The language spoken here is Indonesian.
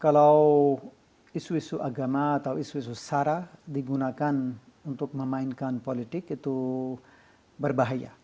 kalau isu isu agama atau isu isu sara digunakan untuk memainkan politik itu berbahaya